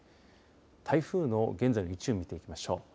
台風の現在の位置を見ていきましょう。